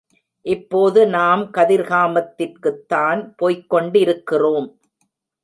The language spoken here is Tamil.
இப்போது நாம் கதிர்காமத்திற்குத்தான் போய்க்கொண்டிருக்கிறோம்.